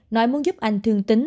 nói muốn giúp anh thương tín